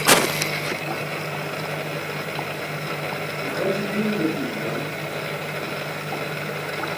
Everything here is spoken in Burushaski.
Ixaci biiṅ eci̇m juwan.